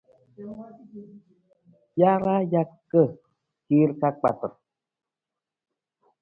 Jaraa jaka hiir ka kpatar.